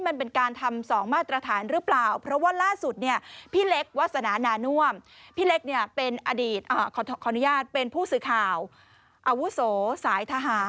มันเป็นการทำสองมาตรฐานหรือเปล่า